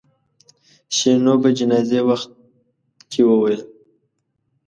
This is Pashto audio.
شیرینو په جنازې وخت کې وویل.